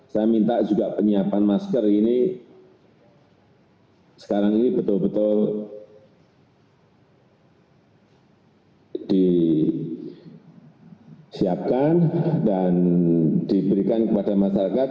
saya minta juga penyiapan masker ini sekarang ini betul betul disiapkan dan diberikan kepada masyarakat